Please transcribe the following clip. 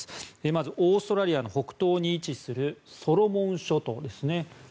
まず、オーストラリアの北東に位置するソロモン諸島ですね。